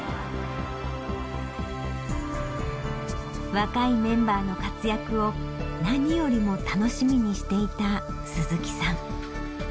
若いメンバーの活躍を何よりも楽しみにしていた鈴木さん。